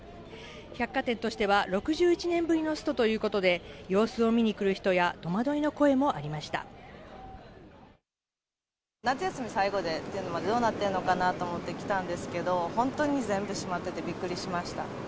百貨店としては６１年ぶりのストということで、様子を見に来る人夏休み最後で、どうなってるのかなと思って来たんですけど、本当に全部閉まってて、びっくりしました。